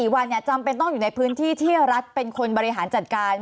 ๔วันจำเป็นต้องอยู่ในพื้นที่ที่รัฐเป็นคนบริหารจัดการ